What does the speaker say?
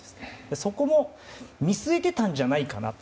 そこも見据えていたんじゃないかなと。